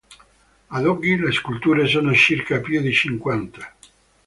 Ad oggi le sculture sono circa più di cinquanta.